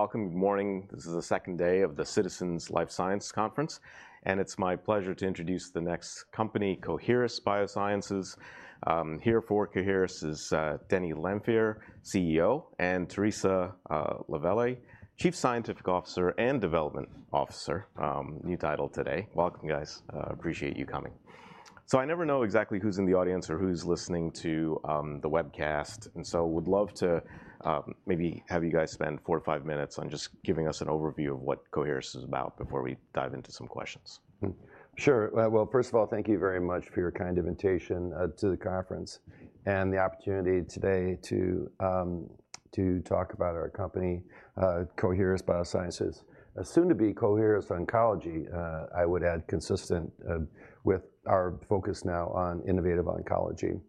Welcome. Good morning. This is the second day of the Citizens Life Science Conference, and it's my pleasure to introduce the next company, Coherus Oncology. Here for Coherus is Denny Lanfear, CEO, and Theresa LaVallee, Chief Scientific Officer and Development Officer. New title today. Welcome, guys. Appreciate you coming. I never know exactly who's in the audience or who's listening to the webcast, and would love to maybe have you guys spend four or five minutes on just giving us an overview of what Coherus is about before we dive into some questions. Sure. First of all, thank you very much for your kind invitation to the conference and the opportunity today to talk about our company, Coherus BioSciences. Soon-to-be Coherus Oncology, I would add, consistent with our focus now on innovative oncology.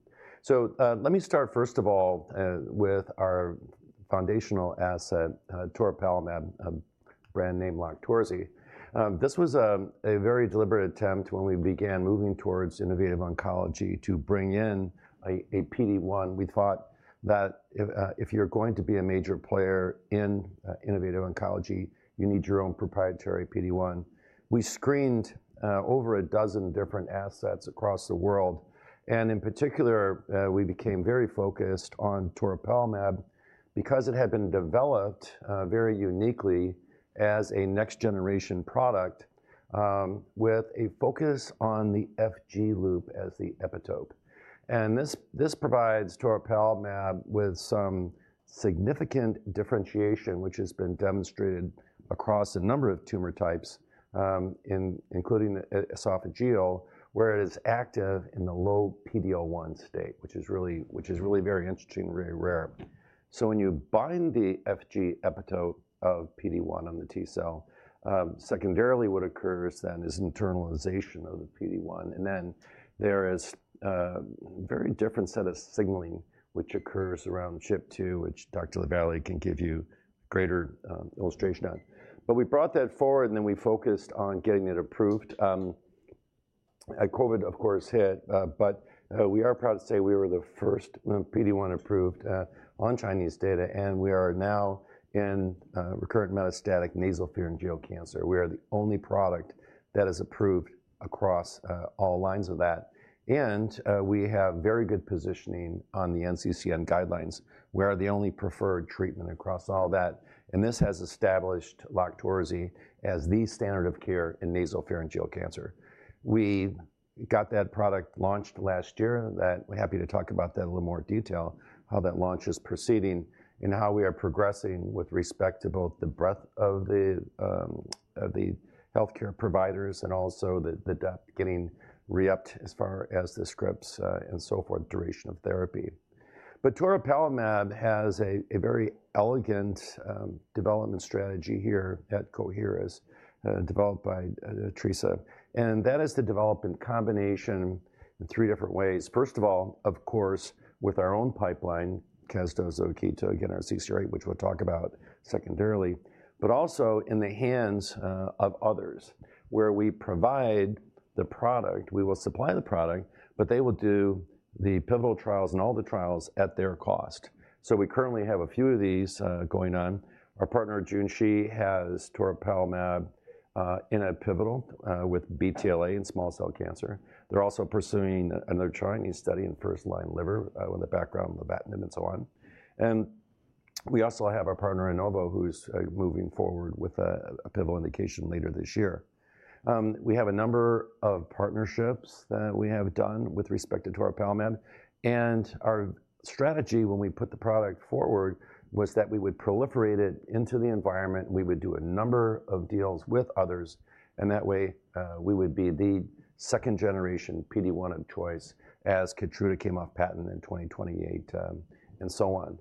Let me start, first of all, with our foundational asset, toripalimab, brand name Loqtorzi. This was a very deliberate attempt when we began moving towards innovative oncology to bring in a PD-1. We thought that if you're going to be a major player in innovative oncology, you need your own proprietary PD-1. We screened over a dozen different assets across the world, and in particular, we became very focused on toripalimab because it had been developed very uniquely as a next-generation product, with a focus on the FG loop as the epitope. This provides toripalimab with some significant differentiation, which has been demonstrated across a number of tumor types, including the esophageal, where it is active in the low PD-1 state, which is really very interesting and very rare. When you bind the FG epitope of PD-1 on the T cell, secondarily what occurs then is internalization of the PD-1, and then there is a very different set of signaling, which occurs around CHIP2, which Dr. LaVallee can give you greater illustration on. We brought that forward, and then we focused on getting it approved. COVID, of course, hit, but we are proud to say we were the first PD-1 approved on Chinese data, and we are now in recurrent metastatic nasopharyngeal cancer. We are the only product that is approved across all lines of that, and we have very good positioning on the NCCN guidelines. We are the only preferred treatment across all that, and this has established Loqtorzi as the standard of care in nasopharyngeal cancer. We got that product launched last year, and we are happy to talk about that in a little more detail, how that launch is proceeding and how we are progressing with respect to both the breadth of the healthcare providers and also the depth getting re-upped as far as the scripts, and so forth, duration of therapy. toripalimab has a very elegant development strategy here at Coherus, developed by Theresa, and that is to develop in combination in three different ways. First of all, of course, with our own pipeline, casdozokitug again, CCR8, which we'll talk about secondarily, but also in the hands of others, where we provide the product. We will supply the product, but they will do the pivotal trials and all the trials at their cost. We currently have a few of these going on. Our partner, Junshi, has toripalimab in a pivotal with BTLA in small cell cancer. They're also pursuing another Chinese study in first-line liver, with a background in lobectomy and so on. We also have our partner, Innovent, who's moving forward with a pivotal indication later this year. We have a number of partnerships that we have done with respect to toripalimab, and our strategy when we put the product forward was that we would proliferate it into the environment. We would do a number of deals with others, and that way, we would be the second-generation PD-1 of choice as Keytruda came off patent in 2028, and so on.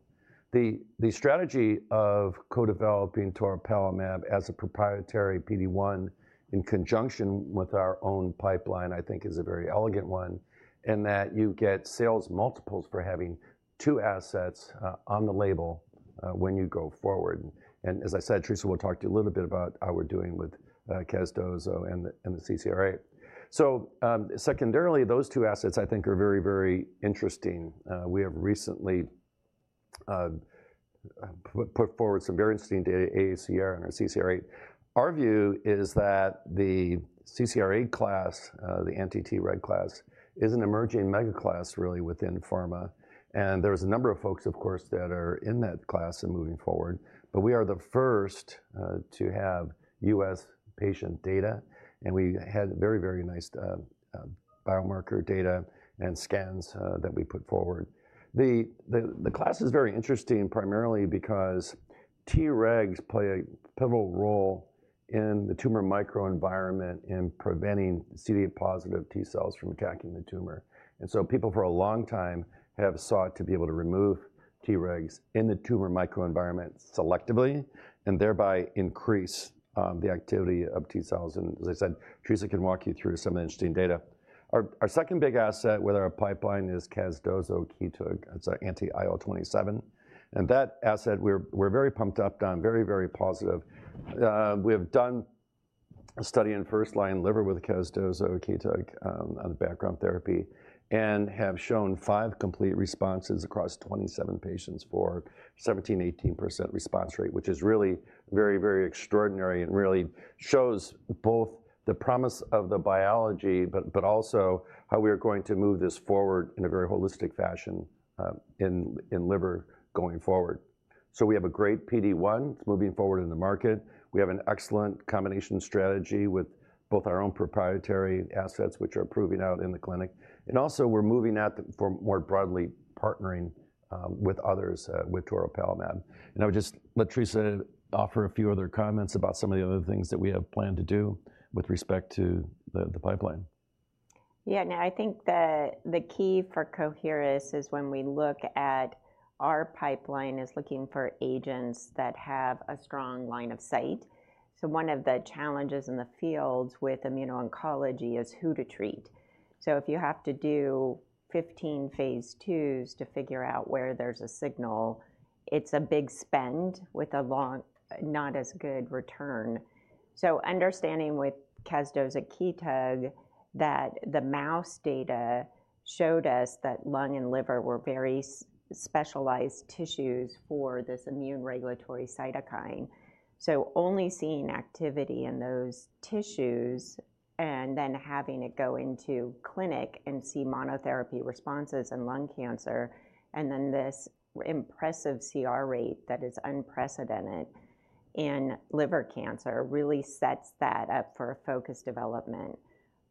The strategy of co-developing Tor-Pellemab as a proprietary PD-1 in conjunction with our own pipeline, I think, is a very elegant one in that you get sales multiples for having two assets, on the label, when you go forward. As I said, Theresa will talk to you a little bit about how we're doing with Castozo and the CCR8. Secondarily, those two assets I think are very, very interesting. We have recently put forward some very interesting data, AACR and our CCR8. Our view is that the CCR8 class, the anti-Treg class, is an emerging mega class really within pharma, and there's a number of folks, of course, that are in that class and moving forward, but we are the first to have U.S. patient data, and we had very, very nice biomarker data and scans that we put forward. The class is very interesting primarily because Tregs play a pivotal role in the tumor microenvironment in preventing CD8 positive T cells from attacking the tumor. People for a long time have sought to be able to remove Tregs in the tumor microenvironment selectively and thereby increase the activity of T cells. As I said, Theresa can walk you through some of the interesting data. Our second big asset with our pipeline is casdozokitug. It's an anti-IL-27, and that asset, we're very pumped up, very, very positive. We have done a study in first-line liver with casdozokitug on the background therapy, and have shown five complete responses across 27 patients for a 17%-18% response rate, which is really very, very extraordinary and really shows both the promise of the biology, but also how we are going to move this forward in a very holistic fashion, in liver going forward. We have a great PD-1. It's moving forward in the market. We have an excellent combination strategy with both our own proprietary assets, which are proving out in the clinic, and also we're moving more broadly partnering with others, with Loqtorzi. I would just let Theresa offer a few other comments about some of the other things that we have planned to do with respect to the pipeline. Yeah, now I think the key for Coherus is when we look at our pipeline is looking for agents that have a strong line of sight. One of the challenges in the field with immuno-oncology is who to treat. If you have to do 15 phase IIs to figure out where there's a signal, it's a big spend with a long, not as good return. Understanding with casdozokitug that the mouse data showed us that lung and liver were very specialized tissues for this immune regulatory cytokine. Only seeing activity in those tissues and then having it go into clinic and see monotherapy responses in lung cancer, and then this impressive CR rate that is unprecedented in liver cancer really sets that up for a focused development.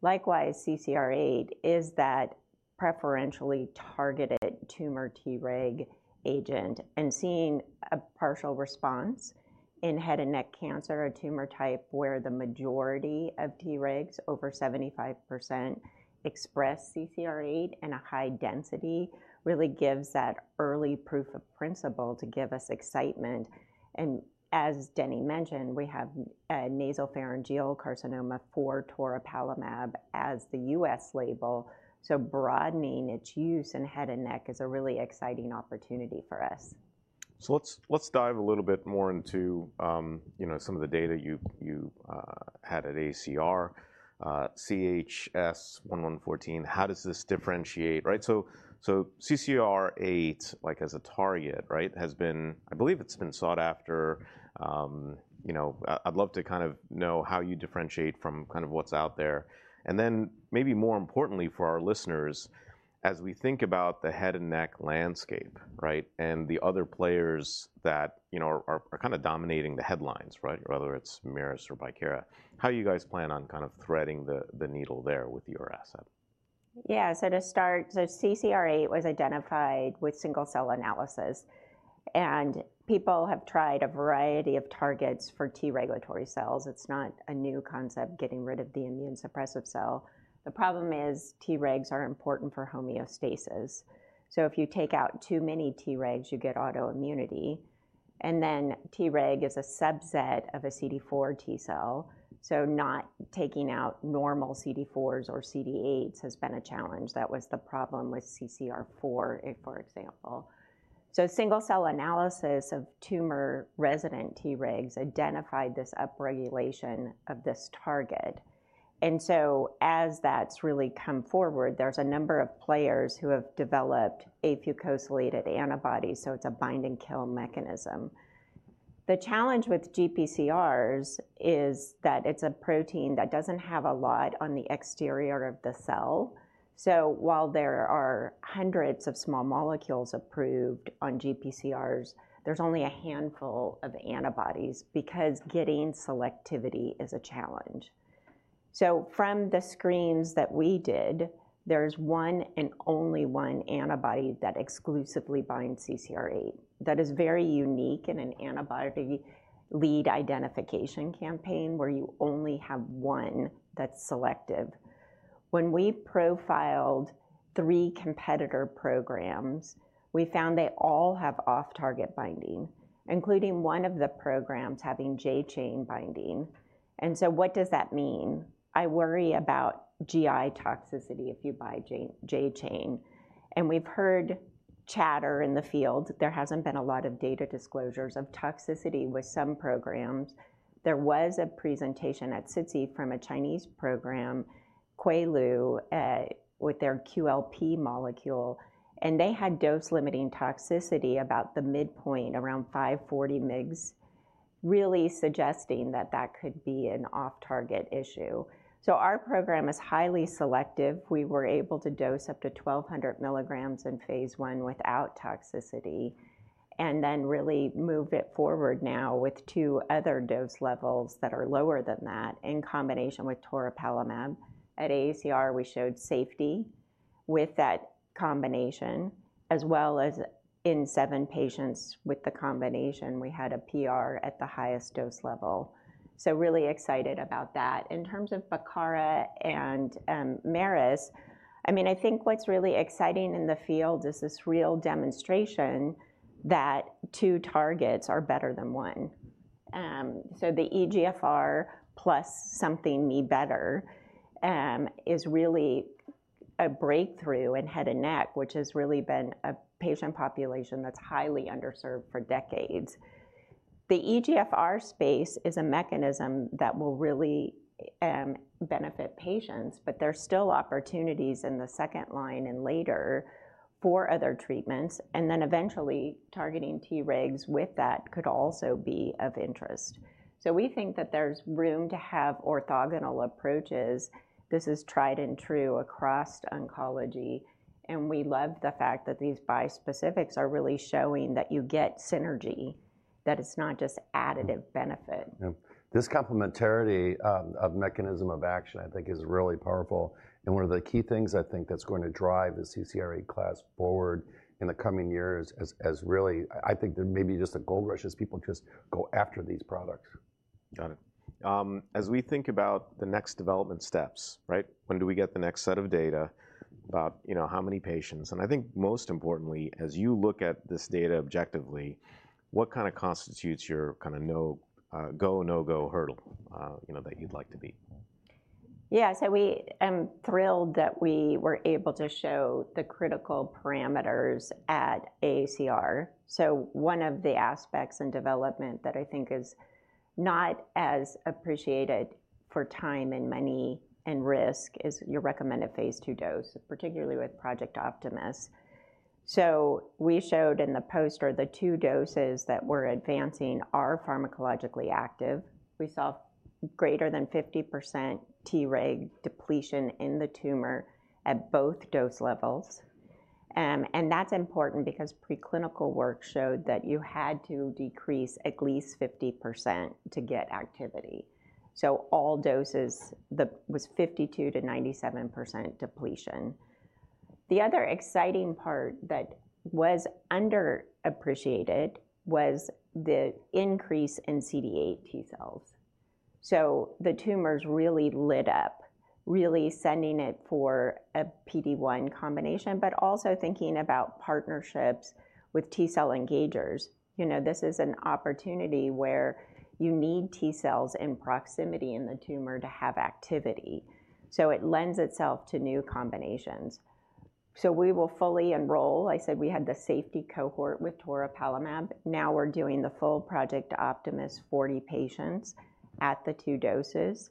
Likewise, CCR8 is that preferentially targeted tumor Treg agent and seeing a partial response in head and neck cancer, a tumor type where the majority of Tregs, over 75%, express CCR8 and a high density really gives that early proof of principle to give us excitement. As Denny Lanfear mentioned, we have a nasopharyngeal carcinoma for Loqtorzi as the U.S. label, so broadening its use in head and neck is a really exciting opportunity for us. Let's dive a little bit more into, you know, some of the data you had at AACR, CHS-114. How does this differentiate, right? So CCR8, like as a target, right, has been, I believe it's been sought after, you know, I'd love to kind of know how you differentiate from kind of what's out there. And then maybe more importantly for our listeners, as we think about the head and neck landscape, right, and the other players that, you know, are kind of dominating the headlines, right, whether it's Merus or Bicara, how do you guys plan on kind of threading the needle there with your asset? Yeah, so to start, CCR8 was identified with single-cell analysis, and people have tried a variety of targets for T regulatory cells. It's not a new concept getting rid of the immune suppressive cell. The problem is Tregs are important for homeostasis. If you take out too many Tregs, you get autoimmunity, and then Treg is a subset of a CD4 T cell. Not taking out normal CD4s or CD8s has been a challenge. That was the problem with CCR4, for example. Single-cell analysis of tumor resident Tregs identified this upregulation of this target. As that's really come forward, there's a number of players who have developed afucosylated antibodies, so it's a bind-and-kill mechanism. The challenge with GPCRs is that it's a protein that doesn't have a lot on the exterior of the cell. While there are hundreds of small molecules approved on GPCRs, there's only a handful of antibodies because getting selectivity is a challenge. From the screens that we did, there's one and only one antibody that exclusively binds CCR8. That is very unique in an antibody lead identification campaign where you only have one that's selective. When we profiled three competitor programs, we found they all have off-target binding, including one of the programs having J-chain binding. What does that mean? I worry about GI toxicity if you bind J-chain, and we've heard chatter in the field. There hasn't been a lot of data disclosures of toxicity with some programs. There was a presentation at SITC from a Chinese program, Qilu, with their QLP molecule, and they had dose-limiting toxicity about the midpoint, around 540 mg, really suggesting that that could be an off-target issue. Our program is highly selective. We were able to dose up to 1,200 mg in phase I without toxicity and then really move it forward now with two other dose levels that are lower than that in combination with toripalimab. At AACR, we showed safety with that combination, as well as in seven patients with the combination, we had a PR at the highest dose level. Really excited about that. In terms of Bicara and Merus, I mean, I think what's really exciting in the field is this real demonstration that two targets are better than one. So the EGFR plus something may be better, is really a breakthrough in head and neck, which has really been a patient population that's highly underserved for decades. The EGFR space is a mechanism that will really benefit patients, but there's still opportunities in the second line and later for other treatments, and then eventually targeting Tregs with that could also be of interest. We think that there's room to have orthogonal approaches. This is tried and true across oncology, and we love the fact that these bispecifics are really showing that you get synergy, that it's not just additive benefit. Yeah, this complementarity of mechanism of action, I think, is really powerful, and one of the key things I think that's going to drive the CCR8 class forward in the coming years is, I think there may be just a gold rush as people just go after these products. Got it. As we think about the next development steps, right, when do we get the next set of data about, you know, how many patients? And I think most importantly, as you look at this data objectively, what kind of constitutes your kind of go, no-go hurdle, you know, that you'd like to beat? Yeah, so we, I'm thrilled that we were able to show the critical parameters at AACR. One of the aspects in development that I think is not as appreciated for time and money and risk is your recommended phase II dose, particularly with Project Optimus. We showed in the poster the two doses that we're advancing are pharmacologically active. We saw greater than 50% Treg depletion in the tumor at both dose levels, and that's important because preclinical work showed that you had to decrease at least 50% to get activity. All doses, the, was 52%-97% depletion. The other exciting part that was underappreciated was the increase in CD8 T cells. The tumors really lit up, really sending it for a PD-1 combination, but also thinking about partnerships with T cell engagers. You know, this is an opportunity where you need T cells in proximity in the tumor to have activity, so it lends itself to new combinations. We will fully enroll. I said we had the safety cohort with toripalimab. Now we are doing the full Project Optimus 40 patients at the two doses.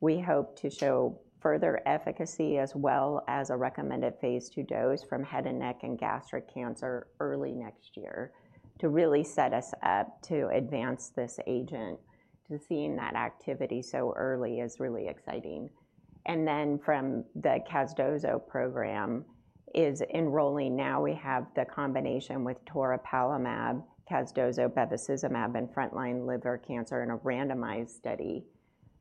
We hope to show further efficacy as well as a recommended phase II dose from head and neck and gastric cancer early next year to really set us up to advance this agent. To seeing that activity so early is really exciting. From the casdozokitug program, it is enrolling now. We have the combination with toripalimab, casdozokitug/bevacizumab, and frontline liver cancer in a randomized study.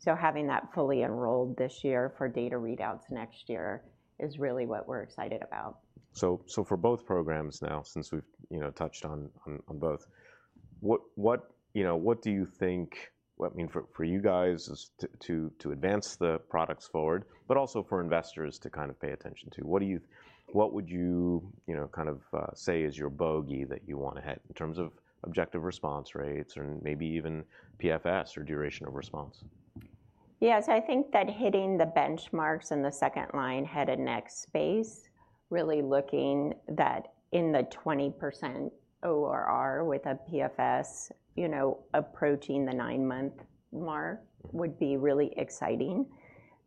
Having that fully enrolled this year for data readouts next year is really what we are excited about. For both programs now, since we've touched on both, what do you think, I mean, for you guys is to advance the products forward, but also for investors to kind of pay attention to? What do you, what would you, you know, kind of say is your bogey that you want to hit in terms of objective response rates or maybe even PFS or duration of response? Yeah, so I think that hitting the benchmarks in the second line head and neck space, really looking at the 20% ORR with a PFS, you know, approaching the nine-month mark would be really exciting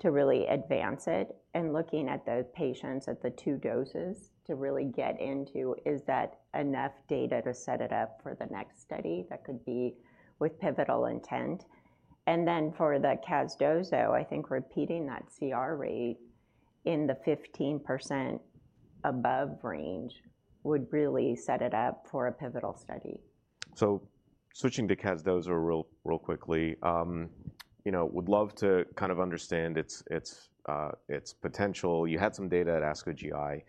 to really advance it. And looking at the patients at the two doses to really get into, is that enough data to set it up for the next study that could be with pivotal intent? And then for the casdozokitug, I think repeating that CR rate in the 15%-above range would really set it up for a pivotal study. Switching to casdozokitug real quickly, you know, would love to kind of understand its, its potential. You had some data at ASCO GI.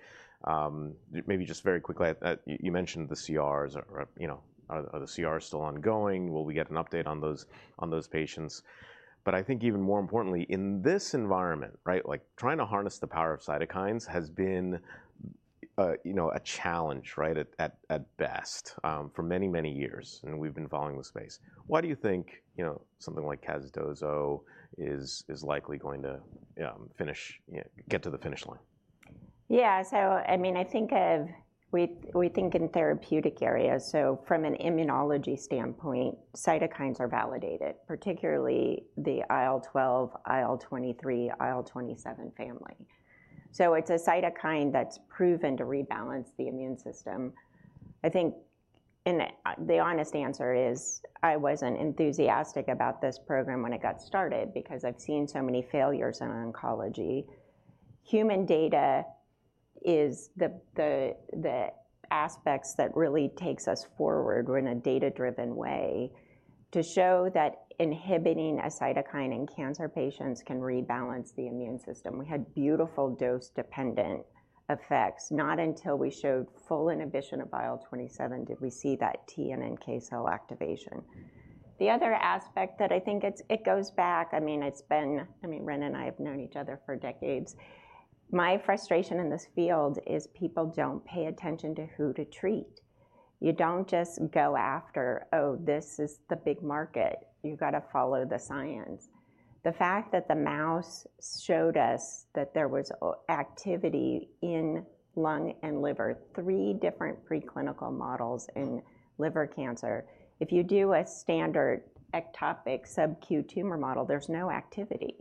Maybe just very quickly, you mentioned the CRs are, you know, are the CRs still ongoing? Will we get an update on those, on those patients? I think even more importantly, in this environment, right, like trying to harness the power of cytokines has been, you know, a challenge, right, at best, for many, many years, and we've been following the space. Why do you think, you know, something like casdozokitug is likely going to finish, you know, get to the finish line? Yeah, I mean, I think of, we think in therapeutic areas. From an immunology standpoint, cytokines are validated, particularly the IL-12, IL-23, IL-27 family. It is a cytokine that is proven to rebalance the immune system. I think, and the honest answer is I was not enthusiastic about this program when it got started because I have seen so many failures in oncology. Human data is the aspect that really takes us forward in a data-driven way to show that inhibiting a cytokine in cancer patients can rebalance the immune system. We had beautiful dose-dependent effects. Not until we showed full inhibition of IL-27 did we see that T and NK cell activation. The other aspect that I think, it goes back, I mean, it has been, I mean, Ren and I have known each other for decades. My frustration in this field is people don't pay attention to who to treat. You don't just go after, oh, this is the big market. You gotta follow the science. The fact that the mouse showed us that there was activity in lung and liver, three different preclinical models in liver cancer, if you do a standard ectopic sub-Q tumor model, there's no activity.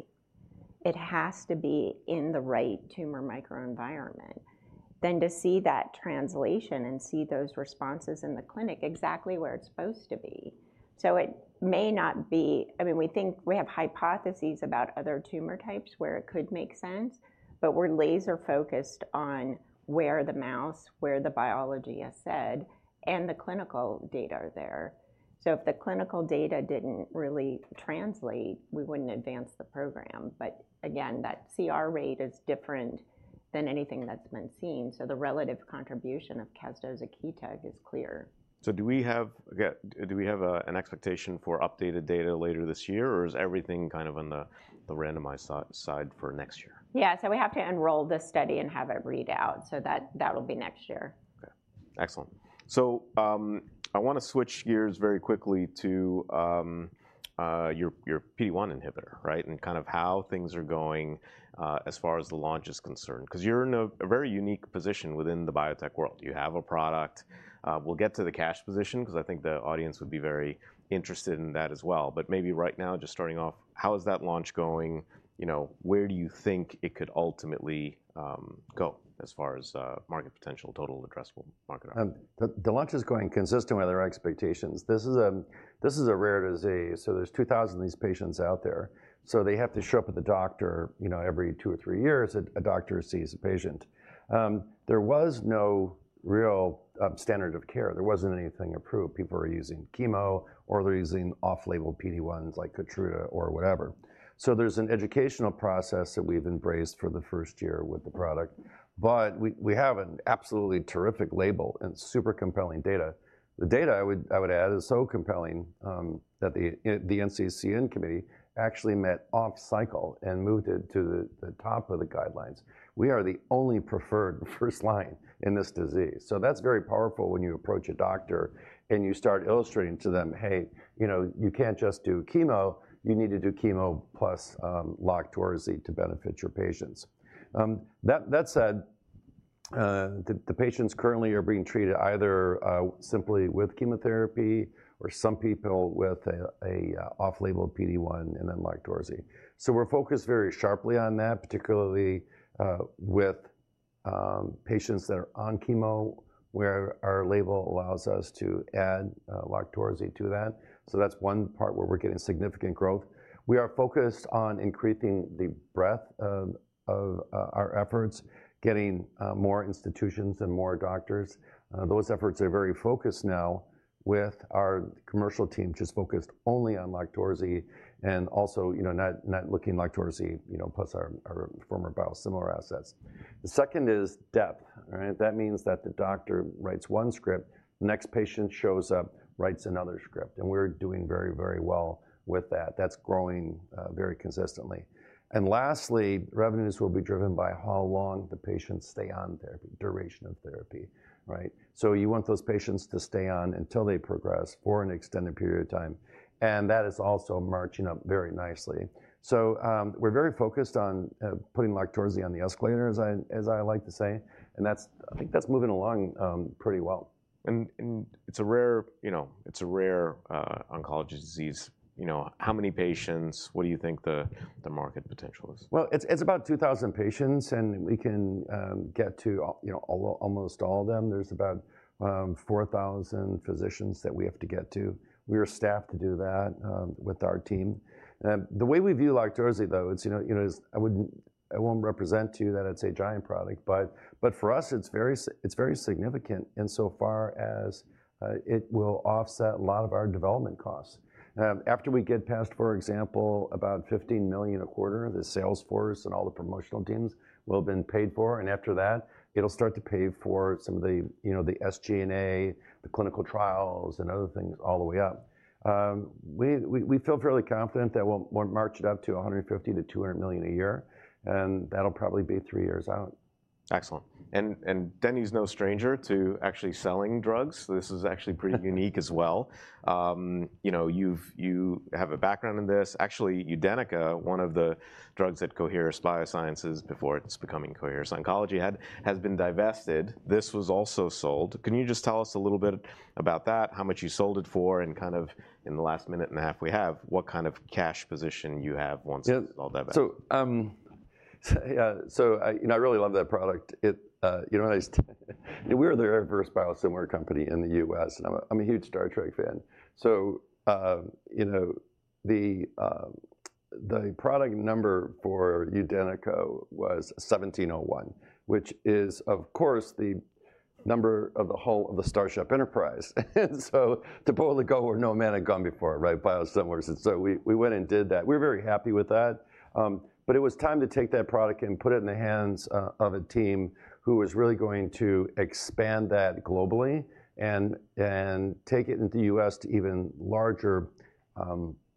It has to be in the right tumor microenvironment. To see that translation and see those responses in the clinic exactly where it's supposed to be. It may not be, I mean, we think we have hypotheses about other tumor types where it could make sense, but we're laser-focused on where the mouse, where the biology has said, and the clinical data are there. If the clinical data didn't really translate, we wouldn't advance the program. Again, that CR rate is different than anything that's been seen. So the relative contribution of casdozokitug/Keytruda is clear. Do we have an expectation for updated data later this year, or is everything kind of on the randomized side for next year? Yeah, so we have to enroll this study and have it read out so that that'll be next year. Okay, excellent. I wanna switch gears very quickly to your PD-1 inhibitor, right, and kind of how things are going, as far as the launch is concerned. 'Cause you're in a very unique position within the biotech world. You have a product. We'll get to the cash position 'cause I think the audience would be very interested in that as well. Maybe right now, just starting off, how is that launch going? You know, where do you think it could ultimately go as far as market potential, total addressable market? The launch is going consistent with our expectations. This is a, this is a rare disease. So there's 2,000 of these patients out there. They have to show up at the doctor, you know, every two or three years a doctor sees a patient. There was no real standard of care. There wasn't anything approved. People were using chemo or they're using off-label PD-1s like Keytruda or whatever. There's an educational process that we've embraced for the first year with the product, but we have an absolutely terrific label and super compelling data. The data, I would add, is so compelling that the NCCN committee actually met off-cycle and moved it to the top of the guidelines. We are the only preferred first line in this disease. That's very powerful when you approach a doctor and you start illustrating to them, hey, you know, you can't just do chemo. You need to do chemo plus Loqtorzi to benefit your patients. That said, the patients currently are being treated either simply with chemotherapy or some people with an off-label PD-1 and then Loqtorzi. We're focused very sharply on that, particularly with patients that are on chemo where our label allows us to add Loqtorzi to that. That's one part where we're getting significant growth. We are focused on increasing the breadth of our efforts, getting more institutions and more doctors. Those efforts are very focused now with our commercial team just focused only on Loqtorzi and also, you know, not looking at Loqtorzi, you know, plus our former biosimilar assets. The second is depth, right? That means that the doctor writes one script, the next patient shows up, writes another script, and we're doing very, very well with that. That's growing, very consistently. Lastly, revenues will be driven by how long the patients stay on therapy, duration of therapy, right? You want those patients to stay on until they progress for an extended period of time. That is also marching up very nicely. We're very focused on putting Loqtorzi on the escalator, as I like to say. I think that's moving along pretty well. And it's a rare, you know, it's a rare oncology disease. You know, how many patients, what do you think the market potential is? It's about 2,000 patients, and we can get to, you know, almost all of them. There's about 4,000 physicians that we have to get to. We are staffed to do that, with our team. The way we view Loqtorzi, though, it's, you know, I wouldn't, I won't represent to you that it's a giant product, but for us, it's very significant insofar as it will offset a lot of our development costs. After we get past, for example, about $15 million a quarter, the sales force and all the promotional teams will have been paid for. After that, it'll start to pay for some of the, you know, the SG&A, the clinical trials, and other things all the way up. We feel fairly confident that we'll march it up to $150 million-$200 million a year, and that'll probably be three years out. Excellent. And Denny's no stranger to actually selling drugs. This is actually pretty unique as well. You know, you have a background in this. Actually, UDENYCA, one of the drugs at Coherus BioSciences before it's becoming Coherus Oncology, has been divested. This was also sold. Can you just tell us a little bit about that, how much you sold it for, and kind of in the last minute and a half we have, what kind of cash position you have once it's all divested? Yeah, so, you know, I really love that product. It, you know, we were the very first biosimilar company in the U.S. I'm a huge Star Trek fan. So, you know, the product number for UDENYCA was 1701, which is, of course, the number of the hull of the Starship Enterprise. And to boldly go where no man had gone before, right, biosimilars. We went and did that. We were very happy with that. It was time to take that product and put it in the hands of a team who was really going to expand that globally and take it into the U.S. to even larger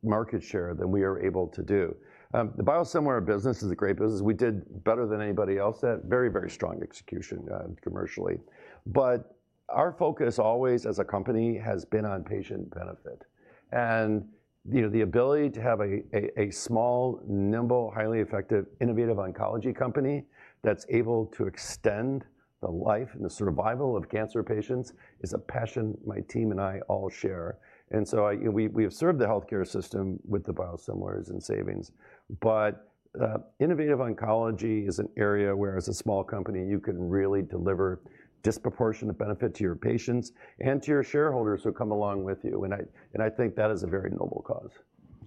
market share than we were able to do. The biosimilar business is a great business. We did better than anybody else at very, very strong execution, commercially. Our focus always as a company has been on patient benefit. You know, the ability to have a small, nimble, highly effective, innovative oncology company that's able to extend the life and the survival of cancer patients is a passion my team and I all share. I, you know, we have served the healthcare system with the biosimilars and savings. Innovative oncology is an area where as a small company, you can really deliver disproportionate benefit to your patients and to your shareholders who come along with you. I think that is a very noble cause.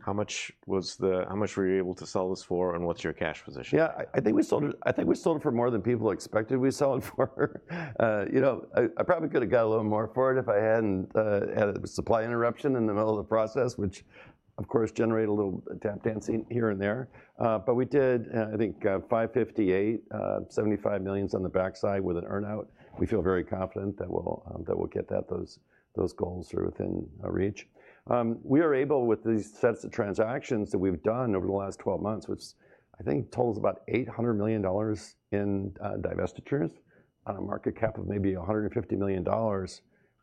How much was the, how much were you able to sell this for, and what's your cash position? Yeah, I think we sold it, I think we sold it for more than people expected we sold for. You know, I probably could have got a little more for it if I hadn't had a supply interruption in the middle of the process, which of course generated a little tap dancing here and there. But we did, I think, $558 million, $75 million on the backside with an earnout. We feel very confident that we'll get that, those goals are within reach. We are able with these sets of transactions that we've done over the last 12 months, which I think totals about $800 million in divestitures on a market cap of maybe $150 million.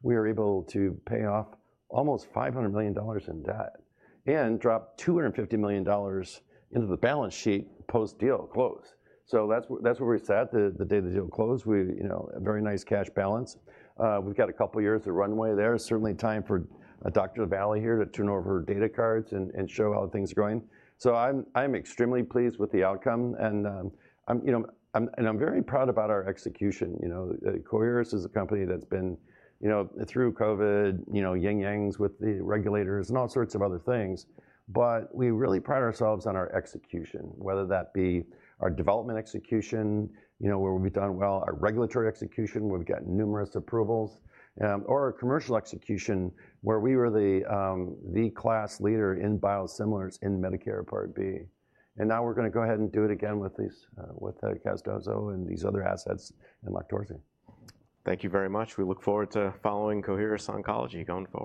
We are able to pay off almost $500 million in debt and drop $250 million into the balance sheet post-deal close. That's where we sat the day the deal closed. We, you know, a very nice cash balance. We've got a couple years of runway there. Certainly time for Dr. LaVallee here to turn over data cards and show how things are going. I'm extremely pleased with the outcome, and I'm very proud about our execution. You know, Coherus is a company that's been, you know, through COVID, you know, ying-yangs with the regulators and all sorts of other things. We really pride ourselves on our execution, whether that be our development execution, where we've done well, our regulatory execution, where we've got numerous approvals, or our commercial execution where we were the class leader in biosimilars in Medicare Part B. Now we're gonna go ahead and do it again with these, with casdozokitug and these other assets and Loqtorzi. Thank you very much. We look forward to following Coherus Oncology going forward.